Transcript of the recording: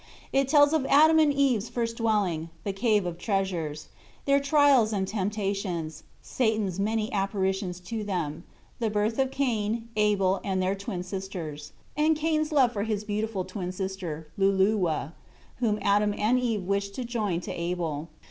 It tells of Adam and Eve's first dwelling the Cave of Treasures; their trials and temptations; Satan's many apparitions to them; the birth of Cain, Abel, and their twin sisters; and Cain's love for his beautiful twin sister, Luluwa, whom Adam and Eve wished to join to Abel.